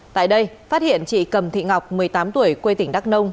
tại đây phát hiện chị cầm thị ngọc một mươi tám tuổi quê tỉnh đắk nông